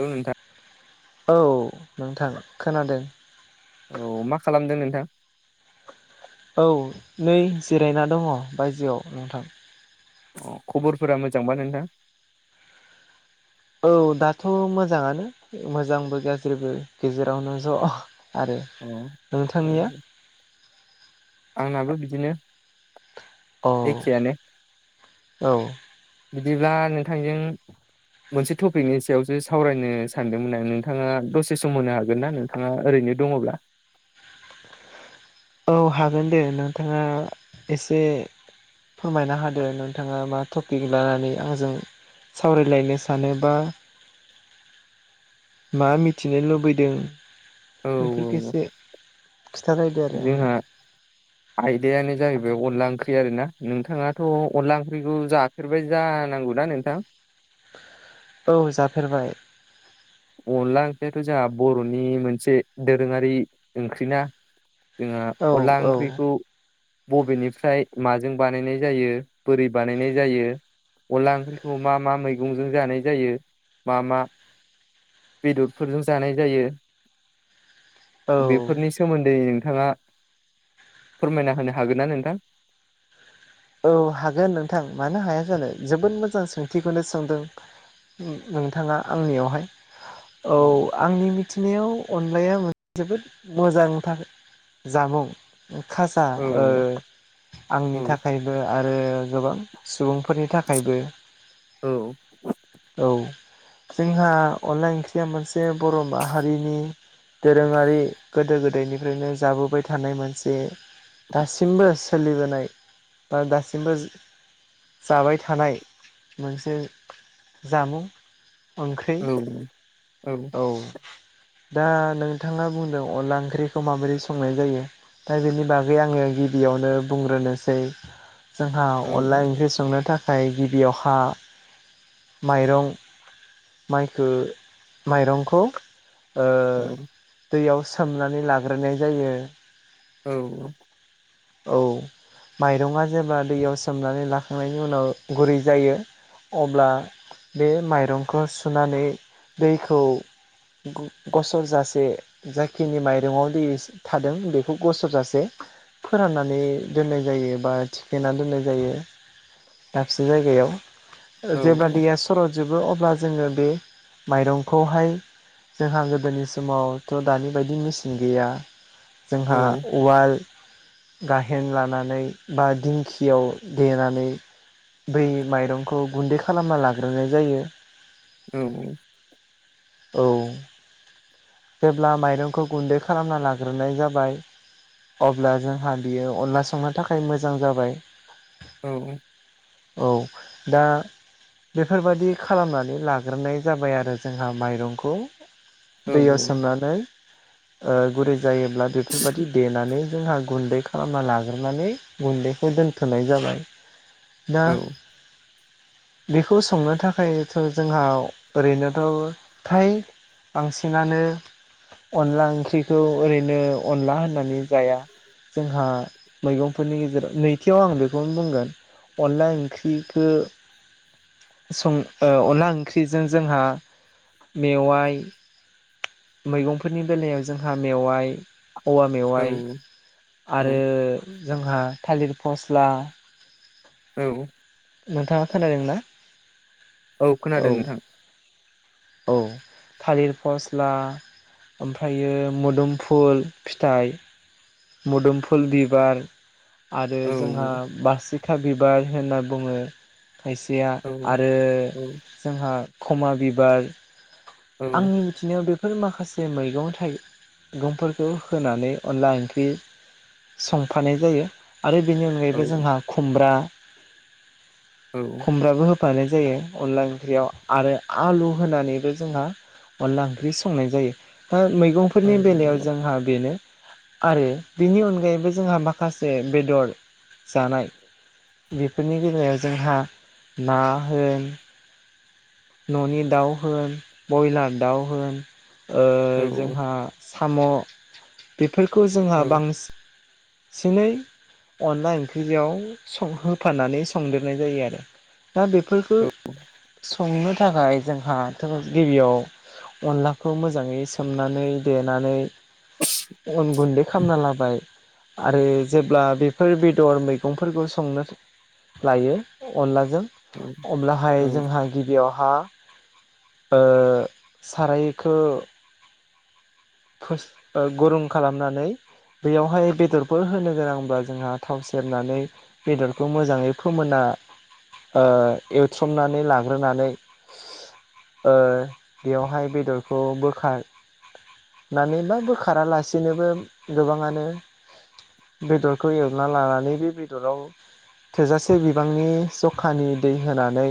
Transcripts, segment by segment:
औ नोंथां औ नोंथां खोनादों औ मा खालामदों नोंथां। औ नै जिरायना दङ बायजोआव नोंथां। अ खबरफोरा मोजांबा नोंथां। औ दाथ' मोजाङानो मोजांबो गाज्रिबो गेजेरावनो ज' आरो अ नोंथांनिया औ आंनाबो बिदिनो औ एखेयानो औ बिदिब्ला नोंथांजों मोनसे टपिकनि सायावसो सावरायनो सानदोंमोन आं नोंथाङा दसे सम होनो हागोनना नों बिथाङा ओरैनो दङब्ला औ हागोन दे नोंथाङा एसे फोरमायना होदो नोंथाङा मा टपिक लानानै आंजों सावरायलायनो सानोबा मा मिथिनो लुबैदों औ बेफोरफोरखौ एसे खिथालायदो आरो आंनो जोंहा आयदायानो जाहैबाय अनला ओंख्रि आरो ना नोंथाङाथ' अनला ओंख्रिखौ जा बेफोरबायदि जानांगौ ना नोंथां औ जाफेरबाय अनला ओंख्रियाथ' जोंहा बर'नि मोनसे दोरोङारि ओंख्रि ना जोंहा औ अनला औ ओंख्रिखौ बबेनिफ्राय माजों बानायनाय जायो बोरै बानायनाय जायो। अनला ओंख्रिखौ मा मा मैगंजों जानाय जायो मा मा बेदरफोरजों जानाय जायो औ बेफोरनि सो मोन्दै नोंथाङा फोरमायना होनो हागोन ना नोंथां। औ हागोन नोंथां मानो हाया जानो जोबोद मोजां सोंथिखौनो सोंदों। अम नोंथाङा आंनियावहाय औ आंनि मिथिनायाव अनलायासे जोबोद मोजां जामुं खाजा ओ औ औ आंनि थाखाय थाखायबो आरो गोबां सुबुंफोरनि थाखायबो औ औ जोंहा अनला ओंख्रिया मोनसे बर' माहारिनि दोरोङारि गोदो गोदायनिफ्रायनो जाबोबाय थानाय मोनसे दासिमबो सोलिबोनाय ओ दासिमबो जाबाय थानाय मोनसे जामुं ओंख्रि औ औ औ दा नोंथाङा बुंदों अनला ओंख्रिखौ माबोरै संनाय जायो? दा बेनि बागै आङो गिबियावनो बुंग्रोनोसै जोंहा औ अनला ओंख्रि संनो था खाय गिबियावहा माइरं माइखो माइरंखौ ओ औ दैयाव सोमनानै लाग्रोनाय जायो। औ औ औ माइरङा जेब्ला दैयाव सोमनानै लाखांनायनि उनाव गुरै जायो अब्ला बे माइरंखौ सुनानै दैखौ ग-गसरजासे जाखिनि माइरङाव दै थादों बेखौ गसरजासे फोराननानै दोननाय जायो बा थिखेना दोननाय जायो। दाबसे जायगायाव। जेब्ला दैया सर'जोबो अब्ला जोङो बे माइरंखौहाय जोंहा गोदोनि समावथ' दानि बायदि मेचिन गैया जोंहा उवाल गाहेन लानानै बा दिंखियाव देनानै। बै माइरंखौ गुन्दै खालामना लाग्रोनाय जायो। औ औ औ जेब्ला माइरंखौ गुन्दै खालामना लाग्रोनाय जाबाय अब्ला जोंहा बियो अनला संनो थाखाय मोजां जाबाय औ औ दा बेफोरबायदि खालामनानै लाग्रोनाय जाबाय आरो जोंहा माइरंखौ। दैयाव सोमनानै गुरै जायोब्ला बेफोरबायदि दे नानै जोंहा गुन्दै खालामना लाग्रोनानै गुन्दैखौ दोनथ'नाय जाबाय। दा बेखौ संनो थाखायथ' जोंहा ओरैनोथ' फ्राय बांसिनानो अनला ओंख्रिखौ ओरैनो अनला होननानै जाया। जोंहा मैगंफोरनि गेजेराव नैथियाव आं बेखौनो बुंगोन। अनला ओंख्रिखो सम ओ अनला ओंख्रिजों जोंहा मेवाइ मैगंफोरनि बेलायाव जोंहा मेवाइ औवा औ मेवाइ आरो औ जोंहा थालिर फस्ला औ नोंथाङा खोनादों ना? औ खोनादों नोंथां। औ थालिर फस्ला ओमफ्रायो मोदोमफुल फिथाइ मोदोमफुल बिबार आरो औ जोंहा बारसिखा बिबार होनना बुङो। खायसेया औ आरो औ जोंहा खमा बिबार। औ आंनि बिदिनो बेफोर माखासे मैगं थाइगंफोरखौ होनानै अनला ओंख्रि संफानाय जायो आरो बेनि अनगायैबो जोंहा खुमब्रा। खुमब्राबो हो होफानाय जायो अनला ओंख्रियाव आरो आलु होनानैबो जोंहा अनला ओंख्रि संनाय जायो। ओ मैगं फोरनि बेलायाव जोंहा बेनो आरो बेनि अनगायैबो जोंहा माखासे बेदर जानाय बेफोरनि बेलायाव जोंहा ना होन न'नि दाउ होन, बयलार दाउ होन ओ औ जोंहा साम' बेफोरखौ जोंहा औ औ बांस सिनै अनला ओंख्रियाव सं होफानानै संदेरनाय जायो आरो। दा बेफोरखौ संनो थाखाय जोंहा थों गिबियाव अनलाखौ मोजाङै सोमनानै देनानै अन गुन्दै खालामना लाबाय। आरो जेब्ला बेफोर बेदर मैगंफोरखौ संनो लायो अनलाजों औ औ अब्लाहाय जोंहा गिबियावहा ओ सारायखो फोस ओ गरम खालामनानै बेयावहाय बेदरफोर होनो गोनांब्ला जोंहा थाव सेरनानै बेदरखौ मोजाङै फोमोना ओ एवथ्रमनानै लाग्रोनानै ओ बेयावहाय बेदरखौ बोखा नानैबा बोखारालासिनोबो गोबाङानो बेदरखौ एवना लानानै बे बेदराव थोजासे बिबांनि जखानि दै होनानै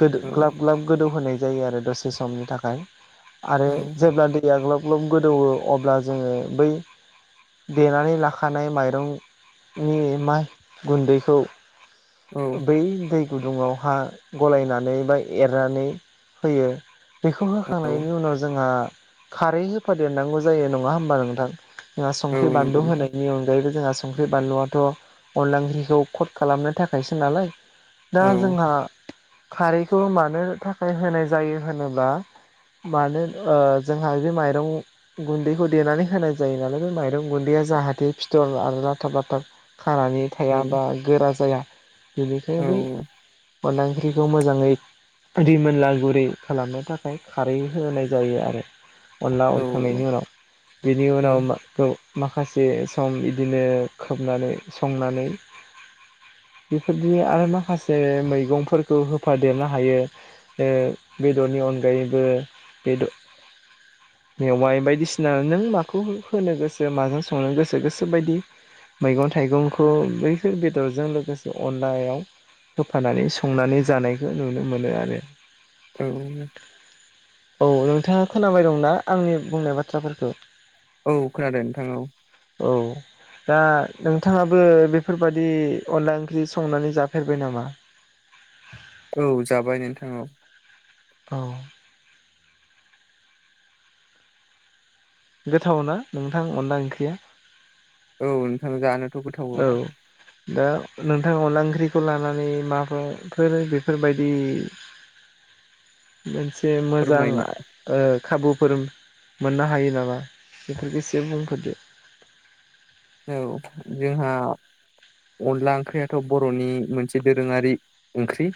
गोदो औ ग्लाब ग्लाब गोदौ होनाय जायो आरो दसे समनि थाखाय आरो औ जेब्ला दैया ग्लाब ग्लब गोदौवो अब्ला जोङो बै देनानै लाखानाय माइरंनि मा गुन्दैखौ औ बै दै गुदुङाव हा गलायनानै बा एरनानै होयो बेखौ होखांनायनि उनाव जोंहा खारै हो होदेरनांगौ जायो नङा होमबा नोंथां? जोंहा औ संख्रि, नंगौ बानलु नोंथां होनायनि अनगायैबो जोंहा संख्रि, बानलुआथ' अनला ओंख्रिखौ कट खालामनो थाखायसो नालाय। दा औ जोंहा खारैखौ मानो थाखाय होनाय जायो होनोब्ला मानो ओ जोंहा बे माइरं गुन्दैखौ देनानै होनाय जायो नालाय बे माइरं गुन्दैया जाहाथे फिथर आरो लाथाब लाथाब खानानै औ थाया बा गोरा जाया बेनिखाय बै अनला ओंख्रिखौ मोजाङै रिमोनला गुरै खालामनो थाखाय खारै होनाय जायो आरो अनला औ खांनायनि उनाव बेनि औ उनाव मा खौ माखासे सम इदिनो खोबनानै संनानै बेफोरदि आरो माखासे मैगंफोरखौ होफादेरनो हायो। ओ बेदरनि अनगायैबो बेद मेवाइ बायदिसिना नों माखौ होनो गोसो माजों संनो गोसो गोसोबायदि मैगं थाइगंखौ बैफोर बेदरजों लोगोसे अनलायाव होफानानै संनानै जानायखौ नुनो मोनो आरो। औ। औ नोंथाङा खोनाबाय दं ना आंनि बुंनाय बाथ्राफोरखौ? औ खोनादों नोंथां औ। औ। दा नोंथाङाबो बेफोरबादि अनला ओंख्रि संनानै जाफेरबाय नामा? औ जाबाय नोंथां औ। अह। गोथाव ना नोंथां अनला ओंख्रिया? औ नोंथां जानो। औ। दा नोंथां अनला ओंख्रिखौ लानानै माबाफोर बेफोरबायदि। [inaudible] मोनसे फोरमायनो मोजां। खाबुफोर मोननो हायो नामा बेफोरखौ एसे बुंफोरदो। औ जोंहा। अनला ओंख्रियाथ' बर'नि मोनसे दोरोङारि ओंख्रि।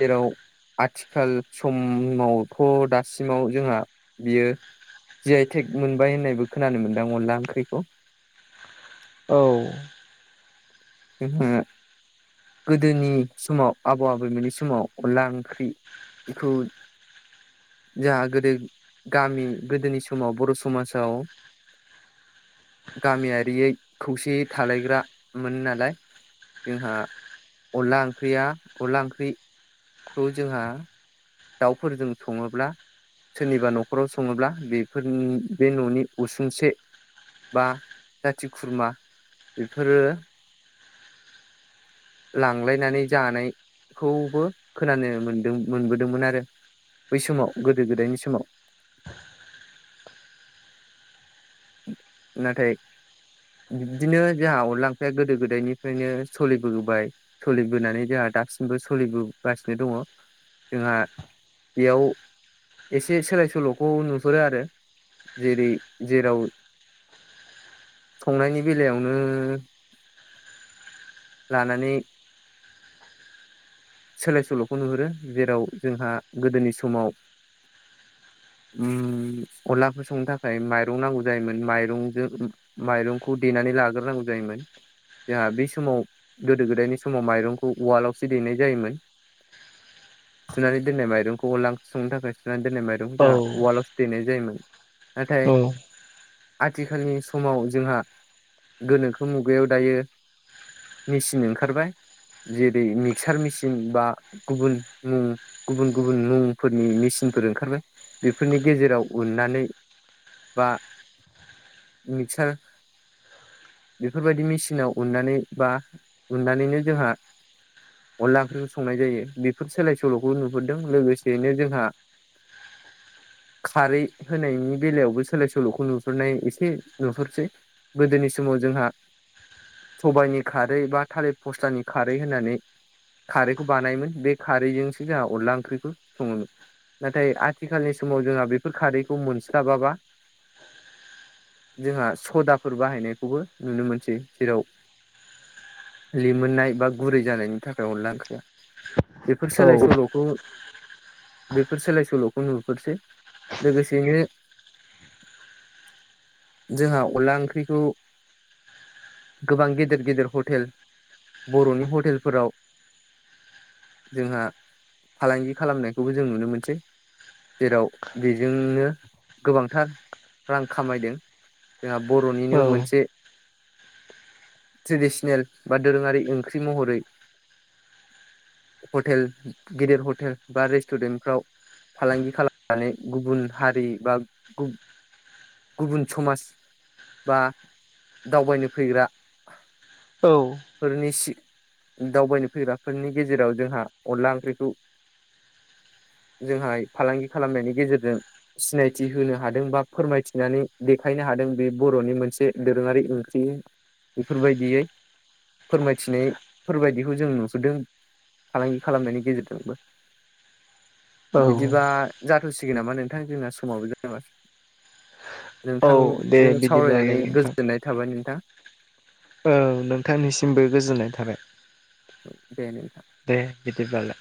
जेराव। आथिखाल समावथ' दासिमाव जोंहा बियो। जि आइ थेक मोनबाय होननायबो खोनानो मोनदां अनला ओंख्रिखौ। औ। [unintelligible] गोदोनि समाव आबौ आबैमोननि समाव अनला ओंख्रि। बेखौ। जाहा गोदो गामि गोदोनि समाव बर' समाजाव। गामियारियै खौसेयै थालायग्रा मोन नालाय। जोंहा अनला ओंख्रिया अनला ओंख्रि। खौ जोंहा। दाउफोरजों सङोब्ला सोरनिबा न'खराव संङोब्ला बेफोरनि बे न'नि उसुंसे। बा जाथि खुरमा बेफोरो। लांलायनानै जानायखौबो खोनानो मोनदों मोनबोदोंमोन आरो। बै समाव गोदो गोदायनि समाव। नाथाय। बिदिनो जोंहा अनला ओंख्रिया गोदो गोदायनिफ्रायनो सोलिबोबाय। सोलिबोनानै जोंहा दासिमबो सोलिबोगासिनो दङ जोंहा। बेयाव। एसे सोलाय सोल'खौ नुहरो आरो जेरै जेराव। संनायनि बेलायावनो लानानै। सोलाय सोल'खौ नुहुरो जेराव जोंहा गोदोनि समाव। उ अनलाफोर संनो थाखाय माइरं नांगौ जायोमोन माइरंजों। माइरंखौ देनानै लाग्रोनांगौ जायोमोन। जोंहा बे समाव गोदो गोदायनि समाव माइरंखौ उवालावसो देनाय। जायोमोन सुनानै दोननाय माइरंखौ अनला ओंख्रि संनो थाखाय। सुनानै दोननाय औ माइरंखौ उवालावसो देनाय जायोमोन नाथाय। औ आथिखालनि समाव जोंहा गोनोखो मुगायाव दायो। मेसिन ओंखारबाय जेरै। मिक्सार मेसिन बा गुबुन मुं गुबुन गुबुन मुंफोरनि मेसिनफोर ओंखारबाय। बेफोरनि गेजेराव उननानै बा। मिक्सार बेफोरबायदि मेसिनाव उननानै बा उननानैनो जोंहा अनला ओंख्रिखौ संनाय जायो बेफोर सोलाय सोल'खौ नुहुरदों लोगोसेयैनो जोंहा। खारै होनायनि बेलायावबो सोलाय सोल'खौ नुहुरनाय एसे नुहुरसै गोदोनि समाव जोंहा। सबाइनि खारै बा थालिर फस्लानि खारै होननानै। खारैखौ बानायोमोन बे खारैजोंसो जोंहा अनला ओंख्रिखौ सङोमोन। नाथाय आथिखालनि समाव जोंहा बेफोर खारैखौ मोनस्लाबाबा। जोंहा सदाफोर बाहायनायखौबो नुनो मोनसै जेराव लिमोननाय बा गुरै जानायनि थाखाय अनला ओंखाया बेफोर सोलाय सोल'खौ। बेफोर सोलाय सोल'खौ नुफोरसै लोगोसेनो जोंहा अनला ओंख्रिखौ गोबां गेदेर गेदेर हटेल बर'नि हटेलफोराव जोंहा फालांगि खालामनायखौबो जों नुनो मोनसै। जेराव बेजोंनो गोबांथार रां खामायदों। जोंहा औ बर'निनो मोनसे ट्रेडिसनेल बा दोरोङारि ओंख्रि महरै हटेल गेदिर हटेल बा रेस्टुरेन्टफ्राव फालांगि खालामनानै गुबुन हारि बा गुबुन समाज बा दावबायनो फैग्रा औ फोरनि सि दावबायनो फैग्राफोरनि गेजेराव जोंहा अनला ओंख्रिखौ जोंहाय फालांगि खालामनायनि गेजेरजों सिनायथि होनो हादों बा फोरमायथिनानै देखायनो हादों बे बर'नि मोनसे दोरोङारि ओंख्रि बेफोरबायदियै फोरमायथिनाय फोरबायदिखौ जों नुसोदों फालांगि खालामनायनि गेजेरजोंबो औ बिदिबा जाथ'सिगोन नामा नोंथां जोंना समावबो जेनबा औ दे नोंथांजों बिदिब्लालाय सावरायनानै नोंथां गोजोननाय थाबाय नोंथां औ नोंथांनिसिमबो गोजोननाय थाबाय औ दे दे बिदिब्लालाय